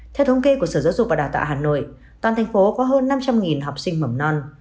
theo thống kê của sở giáo dục và đào tạo hà nội toàn thành phố có hơn năm trăm linh học sinh mầm non